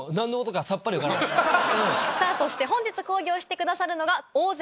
そして本日講義をしてくださるのが。